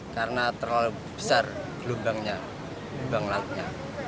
karena terlalu besar lubangnya